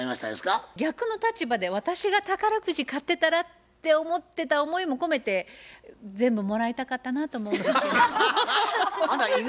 逆の立場で私が宝くじ買ってたらって思ってた思いも込めて全部もらいたかったなと思います。